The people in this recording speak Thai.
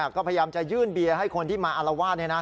ก็พยายามจะยื่นเบียร์ให้คนที่มาอรวมกันแบบนี้